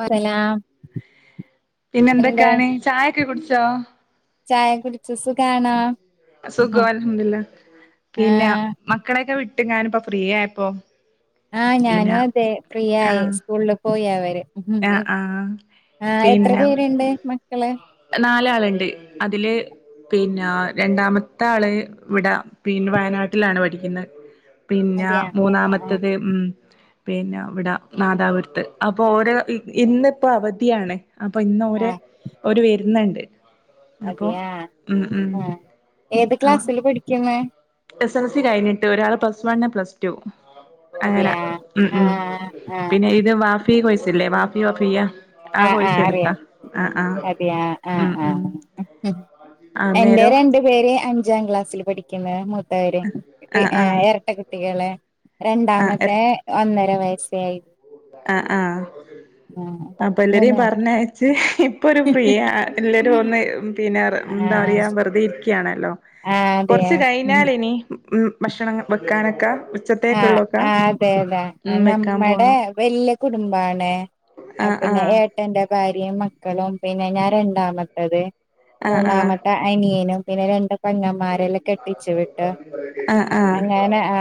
വസലാം പിന്നെ എന്താ എന്തൊക്കെയാണ് ചായൊക്കെ കുടിച്ചോ ചായ കുടിച്ച് സുഖണാ സുഖ അലഹംലില്ല പിന്നെ ആഹ് മക്കളെയൊക്കെ വിട്ട ട്ട് ഞാനിപ്പോ ഫ്രീ ആയപ്പോ ആഹ് ഞാനും പിന്നെ അതെ ഫ്രീയായി ആഹ് സ്കൂളിൽ പോയി അവര് ആഹ് ആഹ് ആ എത്ര പേരുണ്ട് മക്കള് നാലാള്ണ്ട് അതില് പിന്നെ രണ്ടാമത്താള് വിടാ പിന് വയനാട്ടിലാണ് പഠിക്കുന്നത് പിന്നെ അതെയാ ആഹ് മൂന്നാമത്തേത് ഉം പിന്നെ അവിടെ നാദാപുരത്ത് അപ്പൊ ഓര ഇന്നിപ്പോ അവധിയാണ് അപ്പൊ ഇന്ന ആഹ് ഒരുര് വരുന്നുണ്ട് അപ്പൊ അതെയാ ഉം ഉം ആഹ ഏത് ആഹ് ക്ലാസ്സില് പഠിക്ക്ന്ന് എസ് എൽ സി കഴിഞ്ഞിട്ട് ഒരാള് പ്ലസ് വണ്ണ് പ്ലസ് ടു അങ്ങനെ അതെയാ ഉ ഉം ആഹ് ആഹ് പിന്നെ ഇത് വാഫി കോഴ്സില്ലേ വാഫി വാഫിയ ആഹ ആഹ് അറിയാം അതെ ആഹ് ഉം ആഹ ഉം എന്റെ അന്നേരം രണ്ടു പേര് അഞ്ചാം ക്ലാസ്സിൽ പഠിക്കുന്ന് മൂത്തവര് ആ ആ ഇരട്ട കുട്ടികള് ആ രണ്ടാമത്തെ ഒന്നര വയസ്സേയിത് ആഹ ആഹ അപ്പൊ എല്ലരേം മൂന്ന് പറഞ്ഞയച്ച ഇപ്പൊ ഒരു ഫ്രീ എല്ലാവരും ഒന്ന് പിന്നെ എന്താ ആഹ് പറയ്ക വെറുതെ ഇരിക്കുകയാണ് ല്ലോ ആഹ് അതെ കൊറച്ച് ഉം കഴിഞ്ഞാലിനി ഉം ഭക്ഷണം വെക്കാനൊക്കെ ആഹ ഉച്ചത്തേക്കുള്ളൊക്കെ അതെ അതെ ഉം വെക്കാൻ നമ്മടെ പോണം വല്ല്യ കുടുംബാണ് ആ ആ പിന്നെ ഏട്ടന്റ ഭാര്യ മക്കളും പിന്നെ ഞാൻ രണ്ടാമത്തത് ആ ആ മൂന്നാമത്തെ അനിയനും പിന്നെ രണ്ട് കുട്ടി പങ്ങമാരെല്ലാം കെട്ടിച്ചു വിട്ട് ആഹ് ആഹ് അങ്ങനെ ആ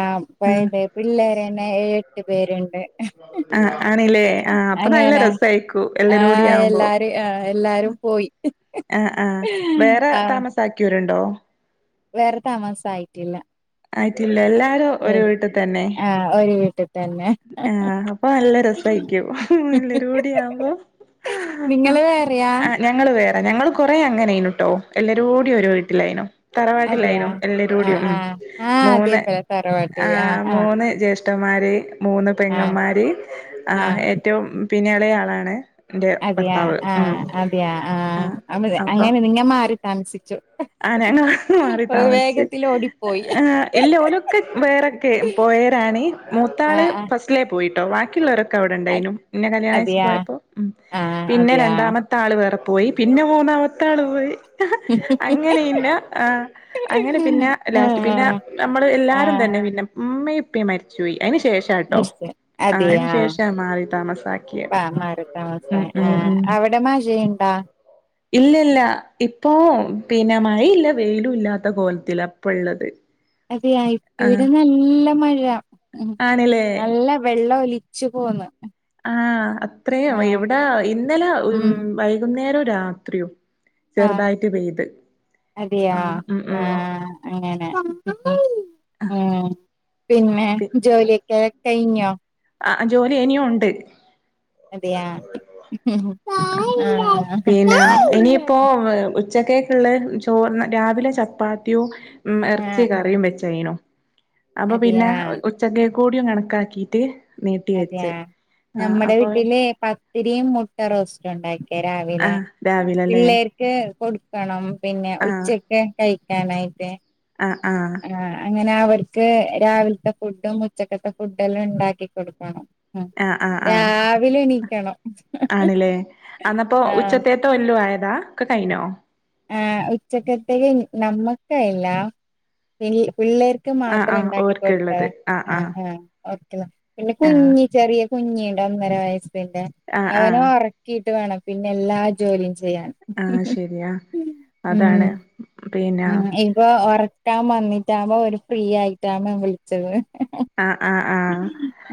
ആഹ് യതെ പിള്ളേരെന്നെ ഏഴെട്ട് പേരുണ്ട് ആഹ ആണല്ലേ ആഹ അപ്പൊ നല്ല അങ്ങനെ രസയിക്കൂ എല്ലരൂടി ആഹ് ആവുമ്പോ എല്ലാരും ആഹ് എല്ലാരും പോയി ആ ആഹ വേറെ ആഹ് താമസാക്കിയോരുണ്ടോ വേറെ താമസായിട്ടില്ല ല്ല എല്ലാരും ഒരു വീട്ടിൽ തന്നെ ആഹ് ഒരു വീട്ടിൽ തന്നെ ആ അപ്പൊ നല്ല രസാരിക്കൂ എല്ലരൂടിയാമ്പോ നിങ്ങള് വേറയാ വേറെ ഞങ്ങള് കൊറെേ അങ്ങനെയിനുട്ടോ എല്ലരൂടി ഓരേ വീട്ടിലായിനോ അതെയാ തറവാട്ടിലായിനോ ആഹ് എല്ലരൂടിയും ഉം ആഹ് ആഹ് അതെ മൂന്ന് ഇപ്പഴ ആ തറവാട്ടില് ആഹ് ആഹ് മൂന്ന് ജേ ഷ്ഠന്മാര് മൂന്ന് ആഹ് പെങ്ങന്മാര് ആ ഏറ്റവും പിന്നെളെ ആളാണ് എന്റെ അതെയ ഭർത്താവ് ഉം ആഹ് അതെയാ ആഹ ആഹ് അ അങ്ങനെ നിങ്ങ മാറി താമസിച്ചു ആനങ്ങ മാറി താമസിച്ച് വേഗത്തിൽ ഓടിപ്പോയി ആ ഇല്ല ഓലൊക്കെ വേറെക്കെ പോയി പേരാണി മൂത്താള് ആഹ് ആഹ് ഫസ്റ്റിലെ പോയി ട്ടോ. ബാക്കിയുള്ളവരൊക്കെ അവിടെണ്ടയ്നും. പിന്നെ കല്യാണാഴ്ച അതെയാ പോയപ്പോ ഉം ആഹ് പിന്നെ അതെയാ രണ്ടാമത്താള് വേറ പോയി പിന്നെ മൂന്നാമത്താള് പോയി അങ്ങനെയില്ല അങ്ങനെ പിന്നെ ലാസ്റ്റ് പിന്നെ ആഹ് നമ്മള് എല്ലാരും ആഹ് തന്നെ പിന്നെ ഉമ്മ പി മരിച്ചുപയി അതിനന് ശേഷംട്ടോ മനസ്സിലായി ആ അതെയാ അതിനന് ശേഷാ മാറി താമസാക്കിയത് മാറി ഉ താമസായി ആ ഉ ആഹ് അവിടെ മാശയുണ്ടാ ഇല്ല ഇല്ല ഇപ്പോൊ പിന്നെ മഴ ഇല്ല വെയിലും ഇല്ലാത്ത കോലത്തി അപ്പോള്ളത് അതെയാ ഇപ്പ ഇവിടെ നല്ല മഴ ഉ ആണ്ല്ലേ നല്ല വെള്ളല രിച്ചു പോന്ന ആ അത്രയും എവിടെ ഇന്നലെ ഉ ഉം വൈകുന്നേരോ രാത്രിയോ ആഹ് ചെറുതായിട്ട് പെയ്ത് അതെയാ ആഹ് ഉം ഉം ആഹ അങ്ങനെ ഉ പിന്നെ ജോലിയൊക്കെ കഴിഞ്ഞോ ആ ജോലി ഇനിയും ഉണ്ട് അതെയാ ആഹ് പിന്നെ ഇനിയിപ്പോ ഉച്ചക്ക ചോ രാവിലെ ചപ്പാത്തിോ ഉ ഇറച്ചി ആഹ് കറിയും വെച്ചനോ അപ്പൊ പിന്നെ അതെയാ ഉച്ചക്ക കൂടിയും കണക്കാക്കിട്ട് നീട്ടി അതെയ വെച്ച് ആഹ് നമ്മടെ അപ്പൊ വീട്ടിലെ ഒത്തിരിയും മുട്ട റോസ്റ്റ് ഉണ്ടാക്കിയ രാവിലെ ആഹ് രാവിലല്ലേ പിള്ളേർക്ക് കൊടുക്കണം പിന്നെ ഉച്ചക്ക്െ കഴിക്കാനായിട്ട് ആ ആ ആഹ് അങ്ങനെ അവർക്ക് രാവിലത്തെ ഫുഡും ഉച്ചക്കത്തെ ഫുഡ എല്ലാം ഉണ്ടാക്കി കൊടുക്കണം ആ രാവിലെ എ നീക്കണം ആണില്ലേ അന്നപ്പോ ഉച്ചത്തേത്തെ കൊല്ലു ആയതാ ഒക്കെ കൈനോ ആ് ഉച്ചക്കത്തേക്ക് നമ്മുക്കല്ല പി പിള്ളേർക്ക് ആഹ് മാത്രം ആഹ് ഉണ്ടാക്കി കൊടുത്ത ഓർക്ക്ള്ളത് ആഹ് ആഹ് ആ ഓക്ക പിന്നെ ആഹ് കുഞ്ഞി ചെറിയ കുഞ്ഞിയണ്ട് ഒന്നര വയസ്സിന്റെ ആഹ് അവന ആഹ് ഉറക്കിട്ട് വേണം പിന്നെ എല്ലാ ജോലിയും ചെയ്യാൻ ആഹ് ശരിയാ ഉം അതാണ് പിന്നെ ആഹ് ഇപ്പൊ ഉറക്കാ വന്നിട്ടാകുമ്പോ ഒരുര് ഫ്രീ ആയിട്ടാ്പോൻ വിളിച്ചത് ആഹ ആഹ് ആഹ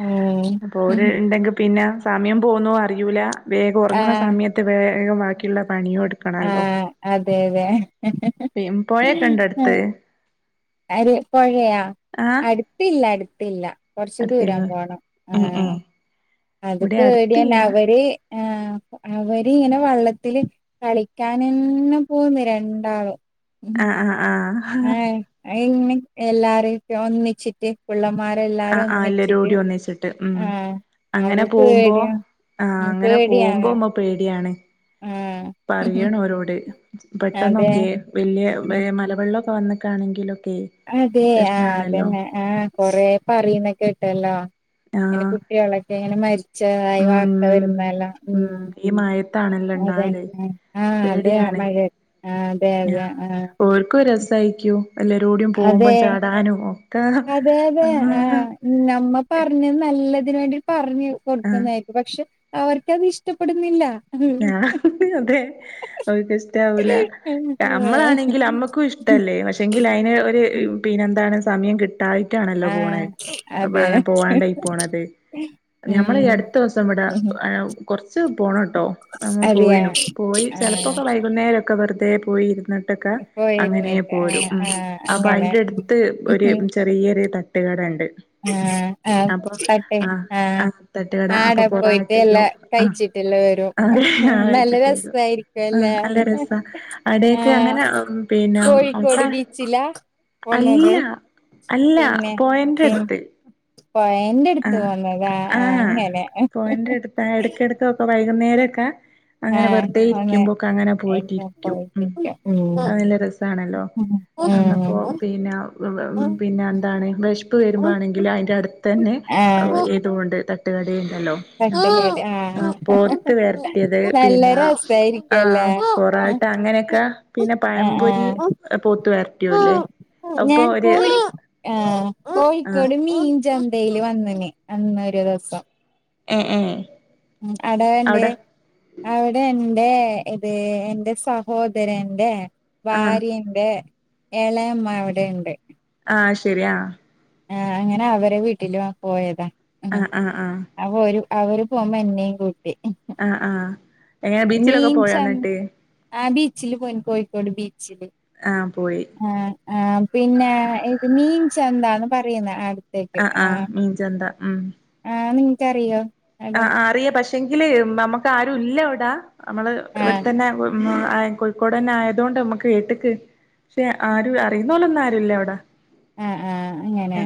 ഉം അപ്പൊ ഒരു ഉണ്ടെങ്കി പിന്നെ സമയം പോകുന്നു അറിയിൂല വേഗം ഉറങ്ങുന്ന ആഹ് സമയത്ത് വേഗമാാക്കിയുള്ള പണിയ കൊടുക്കണല്ലോ അതേതെ പി പോയേക്കണ്ട അടുത്ത് അര് പഴയാ ആഹ് അടുത്തില്ല അടുത്തില്ല കൊറച്ചു ദൂരം അടുത്തില്ലേ പോണം ഏഹ് ആഹ ഏഹ് അത് ഇവിടെ പേടിയന്നെ അടുത്തില്ല അവര് ആഹ അവര് ഇങ്ങനെ വള്ളത്തില് കളിക്കാൻ തന്നെ പോകുന്നു രണ്ടാള്ും ആഹ ആഹ ആഹ ആഹ ഇങ്ങനെ എല്ലാരും ഒന്നിച്ചിട്ട് പിള്ളമാർ ആ ആ ഇല്ല രോഡി ഒന്നിച്ചിട്ട് ഉം ആഹ് അത് അങ്ങനെ പോകുമ്പോ പേടിയാ ആഹ ഉം അങ്ങനെ പോകുമ്പോ പേടിയാണ് അമ്മ പേടിയാണ് ആഹ് പറയണോരോട് അതെ പെട്ടെന്നൊക്കെ വലിയ മലവെള്ളംൊ ഇപ്പോൾ വിട്ടാണെങ്കിലൊ അതെ ആ അതന്നെ ആ കൊറെ പറയുന്നെ കേട്ടല്ലോ. എങ്ങനെ ആഹ് കുട്ടികളൊക്കെ ഇങ്ങനെ മരിച്ചതായി വാർത്ത ഉം വരുന്നല്ലോ? ഉം ഈ മഴത്താണല്ലോ അതെ ഇണ്ടാവല് ആ അതെ പേടിയാണ് മഴ ആ അതെ അതെ ആ തയ്ക്കും. അതെ അതെതെ ആ ആഹ് നമ്മ പറഞ്ഞ നല്ല അതിന വേണ്ടി പറഞ്ഞു ആഹ് കൊടുക്കതായിരുന്നു. പക്ഷെ അവർക്കത്ഇഷ്ടപ്പെടുന്നില്ല. ആ അതെ ഓര്ക്ക് ഇഷ്ട ആവൂല. നമ്മളാണെങ്കിൽ നമ്മുക്കും ഇഷ്ടമല്ലേ പക്ഷെങ്കില് അതിന് ഒരു പിന്നെന്താണ് സമയം കിട്ട കിട്ടായിട്ടാണല്ലോ ആഹ് പോണത്. അതെ അങ്ങനെ പോവാണ്ടായി പോണത്. ഞമ്മള് ഈ ഉം അടുത്ത ദിവസം ഇവിടെ കൊറച്ച് പോണംട്ടോ. അമ്മ അതെയാ പോയിണു. പോയി ആഹ് ചിലപ്പോക്കെ വൈകുന്നേരമൊക്കെ വെറുതെ പോയി ഇരുന്നിട്ട് ക്കെ അങ്ങനെ പോയിരുന്നിട്ട് പോരും. ആഹ് ഉം. ആഹ് അപ്പൊ അങ്ങനെ അതിന്റെ അടുത്ത് ഒരു ചെറിയ ത കട ണ്ട്. ആ ആ പട്ടെ ആഹ് ആ ആഹ് തട്ടുകട ആട അപ്പൊ പോയിട്ട് പൊറാട്ടയും എല്ലാം ആഹ് കഴിച്ചിട്ടല്ലെ വരും. അതെ ഞാൻ നല്ല കഴിച്ചിട്ട് വരും രസായിരിക്കും ആഹ് അല്ലേ ആ നല്ല രസാ അവിടെയൊക്കെ കോഴ അങ്ങനെ പിന്നെ കോഴിക്കോട് ഒക്കെ ബീച്ചിലാ പോന്നത് അല്ല അല്ല പിന്നെ പിൻ പോയേന്റെഅടുത്ത്. എന്റെ ആ അടുത്ത് വന്നതാ ആ അങ്ങനെ പോയിന്റ് അടുത്താ എടയ്ടക്കൊക്കെ വൈകുന്നേരൊക്കെ അങ്ങനെ ആഹ് വെറുതെ ഒന്ന് ഇരിക്കുമ്പോക്കെ അങ്ങനെ എല്ലാം പോയിട്ടിരിക്കും. ഉം. പോയിട്ടില്ല ഉം അത് നല്ല രസാണല്ലോ? എന്നപ്പോ പിന്നെ ഉം പിന്നെ എന്താണ് വിശപ് വരുമ്പോ ആണെങ്കില് അതിന്റെ അടുത്ത് തന്നെ ആഹ് ഏതുകൊണ്ട് തട്ടുകടയിൽ ല്ലോ അപ്പൊ തട്ടുകട ആ ആഹ് പോത്ത് വരട്ടിയത് നല്ല പിന്നെ ആ രസായിരിക്കല്ലേ പറാട്ട അങ്ങനെയൊക്കെ പിന്നെ പഴംപൊരി ആഹ് പോത്ത് വരട്ടിയുവില്ലേ? ആഹ് ഞാൻ കോഴ ആ ആ കോഴിക്കോട് മീൻചാം ഡെയിലി വന്നന് അന്ന് ഒരു ദിവസം ആ ആ [unintelligible] അവിടെ ല്ലേ ഇത് എന്റെ സഹോദരന്റെ ആ ഭാര്യന്റെ ഏളയമ്മ അവിടെയുണ്ട്. ആ ശരി ആ ആ അങ്ങനെ അവരെ വീട്ടിലും പോയതാ. ആ ആഹ് ആ ആ അപ്പൊ ഒരു അവര് പോകുപോ എന്നെയും കൂട്ടി. ആ ആ എങ്ങനെ ബീച്ചിലൊക്കെ മീൻ പോയോ ചന് എന്നിട്ട് ആ ബീച്ചില് പോയിന് കോഴിക്കോട് ബീച്ച് ആ പോയി ആ ആ പിന്നെ മീൻ ചന്താന്ന് പറയുന്നേ. ആ ആ ആ മീൻചന്ത. ഉം. ആ നിങ്ങക്കറിയോ? ആ അവിടെ അറിയാം പക്ഷെങ്കില് നമ്മുക്ക് ആരു ഇല്ല അവിടെ. നമ്മള് ആഹ് ഇവിടെത്തന്നെ ഉം കോഴിക്കോട് തന്നെ ആയതൊണ്ട് നമ്മക്ക് ഏത്തിക്ക് പക്ഷെ ആരും അറിയുന്ന പോലെ ഒന്നും ആരുല്ലേ അവിടെ. ആഹ് ആഹ് അങ്ങനെ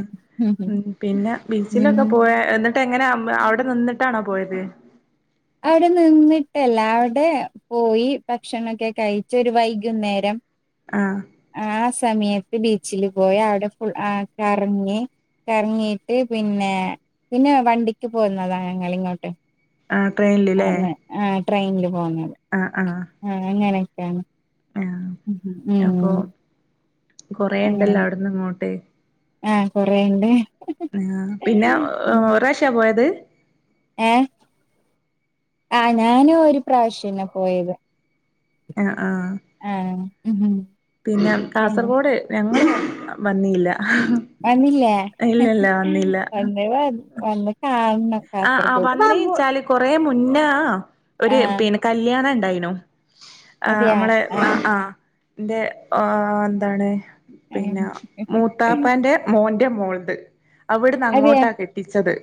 പിന്നെ ബീച്ചിലൊക്കെ ഉം പോയ എങ്ങനെ അവിടെ നിന്നിട്ടാണോ പോയത്? അവിടെ നിന്നിട്ടല്ല അവിടെ പോയി ഭക്ഷണം ഒക്കെ കഴിച്ച് ഒരു വൈകുന്നേരം ആഹ് ആ സമയത്ത് ബീച്ചില് പോയി. അവിടെ ഫുൾ ആ കറങ്ങി കറങ്ങീട്ട് പിന്നെ പിന്നെ വണ്ടിക്ക് പോകുന്നതാ ഞങ്ങിങ്ങോട്ട്. ആ ട്രെയിനിലില്ലേ? ട്രെയിനിൽ പോന്നത്. ആ അങ്ങനെയൊക്കെയാണ്. ആഹ് ഉം അങ്ങനെ കൊറെണ്ടല്ല അവിടന്ന് ഇങ്ങോട്ട് ആ കൊറെണ്ട് ആ പിന്നെ ഒർരശ്യാ പോയത് ഏ ആ ഞാന് ഒരു പ്രാവശ്യംന്ന പോയത് ആ ആ ഉം പിന്നെ പിന്നെ കാസർഗോഡ് ഞങ്ങള് വന്നില്ല വന്നില്ലേ ഇല്ല ഇല്ല [unintelligible] വന്ന് കാണാണം ആ ആ വന്നേച്ചാല് കൊറെ മുന്നേ ഒരു ആഹ് പി കല്യാണം ഇണ്ടായിരുനു ആ അതെയാ നമ്മളെ ആ ആഹ് ആ എന്റെ ആ എന്താണ് പിന്നെ മൂത്താപ്പന്റെ മോൻ മോൾണ്ട് അവിടുന്ന് അതെയാ അങ്ങോട്ടാ കെട്ടിച്ചത്.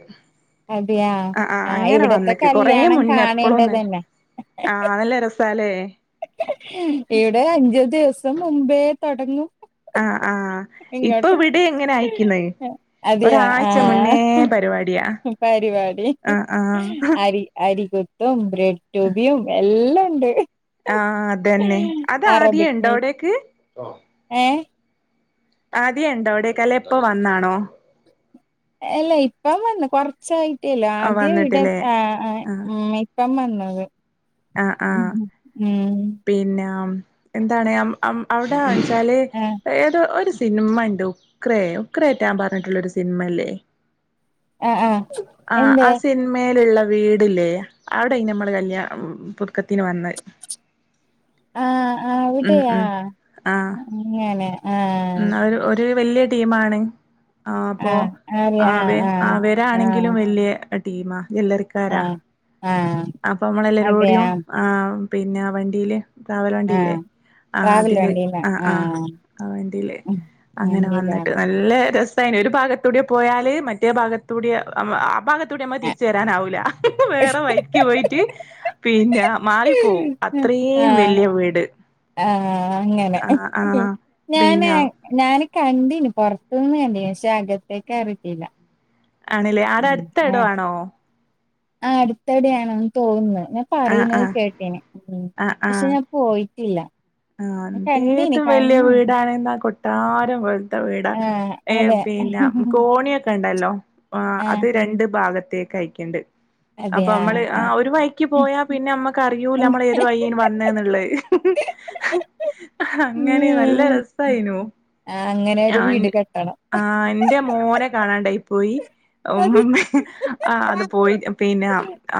അതെയാ ആ ആ ആഹ് അങ്ങനെ ഇവിടത്തെ വന്നിക്ക് കൊറെ കല്യാണം മുന്നേ എപ്പോഴും ഒന്നു കാണേണ്ടതന്നെ ആല നല്ല രസ സലേ ഇവിടെ അഞ്ച് ദിവസം മുമ്പേ തോടങ്ങും ആ ആ ഇപ്പൊ ഇങ്ങോട്ട് ഇവിടെ എങ്ങനെ അയക്കുന്നേ അതെയാ ആ ഒരാഴ്ച മുന്നേ പരിപാടിയാ പരിപാടി ആ ആ അരി അരിക്കോത്തും ബ്രെഡ് ടൂ ബിയും എല്ലാം ഇണ്ട് ആ അതന്നെ അത് ആദ്യ ഇണ്ടോ അവിടേക്ക്. ഏ ആദ്യണ്ടോ അവിടേക്കെ അല്ലേ ഇപ്പോ വന്നാണോ അല്ല ഇപ്പം വന്ന് കൊറച്ചായി ട്ടില്ല ആഹ് ആദ്യം ഇവിടെ വന്നിട്ടില്ലേ ആ ആ ഉം ഇപ്പം വന്നത് ആ ആ ഉം ഉം പിന്നാം എന്താണ് അം അം അവിടെന്ന് വെച്ചാല് ആഹ് ഏതോ ഒരു സിനിമ ഉണ്ട് ഉക്ക്രേ ഉക്ക്രേ പറ്റാൻ പറഞ്ഞിട്ടുള്ളരു സിനിമല്ലേ ആഹ് ആഹ് ആ എന്തേ ആ സിനിമയിലുള്ള വീടില്ലേ അവിടെ നമ്മള് കല്യാണം പുതുക ത്തിന് വന്നത് ആ ആ ഉം അവിടെയാ ഉം ആഹ് അങ്ങനെ. ആഹ് ഉം അവര് ഒരു വല്യ ടീമാണ് ആ അപ്പോ ആഹ് അതെ ആഹ് ആവേ ആഹ് ആഹ് ആവേരാണെങ്കിലും വല്ല്യ ടീമാ ജല്ലറിക്കാരാ ആഹ് ആഹ് അപ്പ അതെയാ നമ്മളെല്ലരോടിയും ആ പിന്നെ വണ്ടിയില് ട്രാവലർ വണ്ടില്ലേ ആഹ് ആ ട്രാവൽ അതില് വണ്ടീലാ ആ ആ ആഹ് ആ അതില് അങ്ങനെ വന്നിട്ട് വണ്ടീലാണ് നല്ല രസ സയിന് ഒരു ഭാഗത്തൂടെ പോയാല് മറ്റേ ഭാഗത്തൂടെ ആ ഭാഗത്തൂടെ നമ്മ തിരിച്ചുരാനാവൂില്ല വേറെ വൈക്ക് പോയിട്ട് പിന്നെ മാറിപ്പോവും അത്രയും വല്ല്യ വീട്. ആ അങ്ങനെ ആ ആ ഞാന് പിന്നെ ഞാന് കണ്ടീന് പോറത്തുനിന്ന് കണ്ടീന് പശേ അകത്തേക്ക് കയറിയിട്ടില്ല ആണല്ലേ ആടെ അടുത്ത ഇടോ ആണോ ആ അടുത്തിടെയാണന്ന് തോന്നുന്നത് ഞാൻ ആഹ് പറയുന്നത് ആഹ് കേട്ടിന് പക്ഷെ ഞാൻ പോയിട്ടില്ല ആ കണ്ടീനി എന്തേന്തു വല്ല്യ കണ്ണ് വീടണെന്നാ കൊട്ടാരം വീടാ ആ അതെ പിന്നെ കോണിയൊക്കെ ഉണ്ടല്ലോ ആ അത് രണ്ട് ഭാഗ ത്തേക്ക് അയ്ക്കേണ്ട് [unintelligible] അപ്പോ നമ്മള് ആ ഒരു വൈക്ക് പോയാ പിന്നെ നമ്മക്ക് അറിയൂല നമ്മള് ഏത് വൈന് വന്നേന്നുള്ളേ അങ്ങനെ നല്ല ഉം രസായിനു ആ അങ്ങനെ ഒരു ഞാൻ വീട് കെട്ടണം ആ എന്റെ മോനെ കാണാണ്ടായി പോയി ഉം അത് ആ അത് പോയി പിന്നെ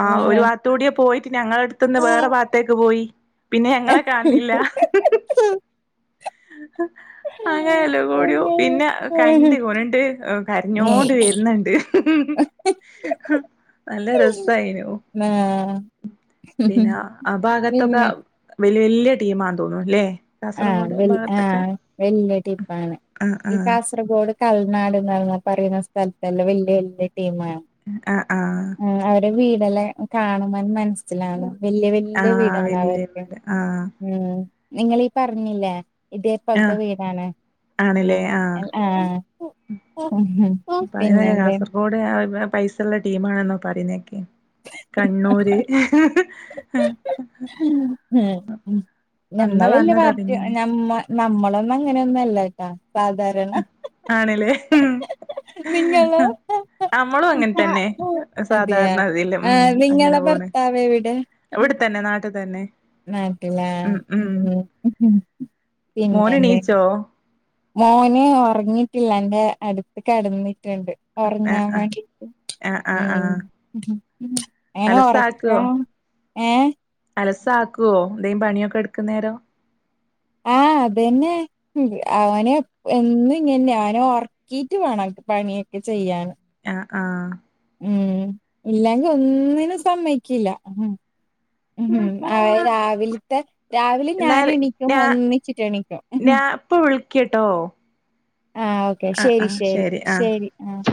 ആ ഒരു ഭാത്തുടിയേ പോയി പിന്നെങ്ങളട്ത്ത്ന്ന് ആ. വേറെ ഭാത്തേക്ക് പോയി പിന്നെ ഞങ്ങളെ കാണില്ല അങ്ങനെല്ലോകൂടിയോ പിന്നെ കണ്ട് ഓള്ണ്ട് കരഞ്ഞോണ്ട് വരുന്ന്ണ്ട് [unintelligible] നല്ല രസായിനു പിന്നെ ആ ഭാഗത്തൊക്കെ പിന്നെ വല്ല്യ വല്ല്യ ടീമാ തോന്നുന്നുല്ലേ ആ വൽ ആ വല്ല്യ ടിപ്പാണ് ആഹ് ഈ ആഹ് കാസർഗോ ട് കൽനാട്ന്ന്പറയുന്ന സ്ഥലത്തല്ലെ വല്ല്യ വല്ല്യ ടീമാണ് ആഹ് ആഹ് ഉം അവര് വീടല്ലേ കാണുമ്പന്നെ മനസ്സിലാകും വല്യ വല്യ ആഹ് വീടാളാ വല്യ അവർക്ക് വീട് ആഹ് ഉം നിങ്ങളീ പറഞ്ഞില്ലേ ഇതേ പോലത്തെ ആഹ് വീടാണ് ഉം ആണല്ലേ ആഹ് അൽ ആ പറീനേ കാസർഗോഡ് പെ പൈസള്ള ടീമാണ്ന്നൊ പറീണേകി കണ്ണൂര് ആ അന്ന് ഞമ്മള് വല്ല്യ വന്നതാ പാർട്ടി പിന്നീന്ന് നമ്മ നമ്മ ളൊന്നും അങ്ങനെന്നുല്ലേട്ടാ ആണ്ലേ നിങ്ങളോ നമ്മളും അങ്ങനെ തന്നെ അതെയാ സാധാരണതിൽ ഉ ആഹ് അങ്ങനെ നിങ്ങളെ പോ ഭർത്താവ് എവിടെത്തന്നെ നാട്ടിൽ തന്നെ നട്ടില്ല ഉം ഉം മോന് പിന്നെെ എണീച്ചോ മോന് ഉറങ്ങിട്ടില്ല എറെ അടുത്ത കടന്ന്ി ണ്ട് ആഹ് ഉറങ്ങാൻ ആഹ് വേണ്ടി ആഹ് ആഹ് ഉം ആഹ് അങ്ങനെ ഉറക്കാ അലസാക്കുവോ ഏ മസ ആക്കുവോ എന്തും പണിയൊക്കെ എടുക്കുന്നേരം ആഹ അതന്നെ അവന എന്നും ഇങ്ങെ അവനെ ഉറക്കീയിട്ട് വേണം പണിയൊക്കെ ചെയ്യൻ ആഹ ഉം ഇല്ലെങ്കി ഒന്നിനും സമ്മേക്കില്ല. അത് രാവിൽത്തെ രാവിലെ ഞാൻ എന്നാൽ എണീക്കുമ്പോ ഞാ ഒന്നിച്ചിട്ട് എണീക്കും. ഞാ ഇപ്പൊ വിളിക്കട്ടോ ആഹ് ഓക്കെ ആഹ് ശരി ആഹ് ശരി ആഹ് ശരി ആഹ്